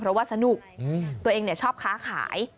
เพราะว่าสนุกตัวเองชอบค้าขาย